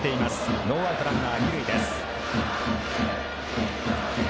ノーアウト、ランナー、二塁です。